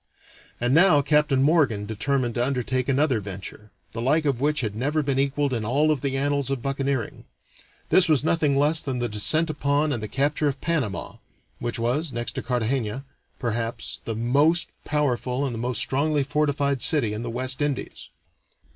And now Captain Morgan determined to undertake another venture, the like of which had never been equaled in all of the annals of buccaneering. This was nothing less than the descent upon and the capture of Panama, which was, next to Cartagena, perhaps, the most powerful and the most strongly fortified city in the West Indies.